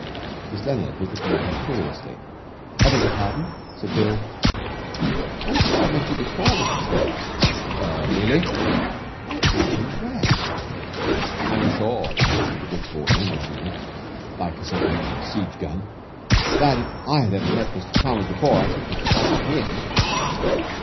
Miss Leonard was looking at him curiously. 'I beg your pardon?' said Bill. 'I'm sure I've met you before, Mr Chalmers.' 'Er really?' 'But I can't think where.' 'I'm sure,' said the Good Sport, languishingly, like a sentimental siege gun, 'that if I had ever met Mr Chalmers before I shouldn't have forgotten him.'